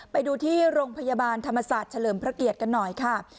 ไปดูที่โรงพยาบาลธรรมศาสตร์เฉลิมพระเกียรติกันหน่อยค่ะ